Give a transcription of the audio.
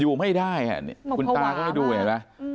อยู่ไม่ได้อ่ะคุณตาก็ไม่ดูเห็นไหมอืม